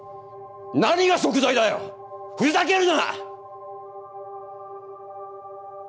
何がしょく罪だよふざけるな！